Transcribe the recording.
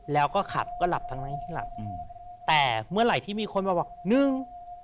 แล้วก็ขับก็หลับทั้งนั้นที่หลับอืมแต่เมื่อไหร่ที่มีคนมาบอกหนึ่ง